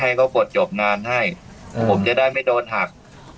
ให้เขากดจบนานให้ผมจะได้ไม่โดนหัก